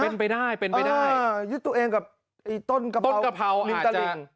เป็นไปได้เป็นไปได้อ่ายึดตัวเองกับต้นกระเพราต้นกระเพราอาจจะ